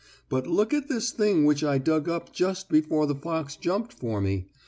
But look at this thing which I dug up just before the fox jumped for me.